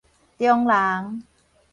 中人